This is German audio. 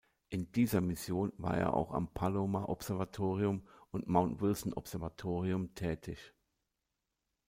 In dieser Mission war er auch am Palomar Observatorium und Mount-Wilson-Observatorium tätig.